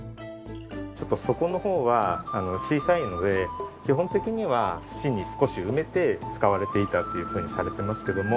ちょっと底のほうは小さいので基本的には土に少し埋めて使われていたっていうふうにされてますけども。